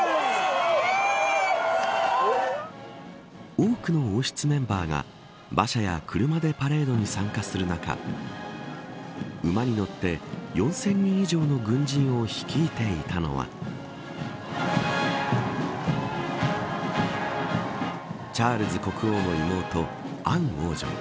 多くの王室メンバーが馬車や車でパレードに参加する中馬に乗って４０００人以上の軍人を率いていたのはチャールズ国王の妹、アン王女。